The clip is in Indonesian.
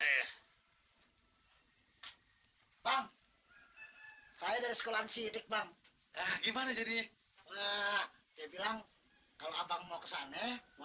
eh bang saya dari sekolah sidik bang gimana jadi dia bilang kalau abang mau ke sana mau